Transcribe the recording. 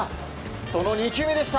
その２球目でした。